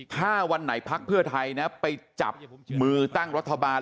ถ้าวันไหนพักเพื่อไทยไปจับมือตั้งรัฐบาล